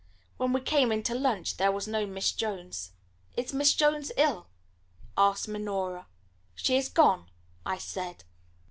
When we came in to lunch there was no Miss Jones. "Is Miss Jones ill?" asked Minora. "She is gone," I said.